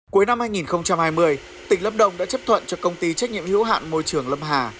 cuối năm hai nghìn hai mươi tỉnh lâm đồng đã chấp thuận cho công ty trách nhiệm hữu hạn môi trường lâm hà